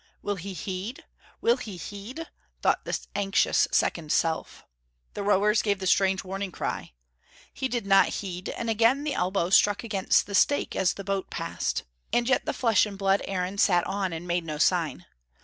"Will he heed, will he heed?" thought the anxious second self. The rowers gave the strange warning cry. He did not heed, and again the elbow struck against the stake as the boat passed. And yet the flesh and blood Aaron sat on and made no sign.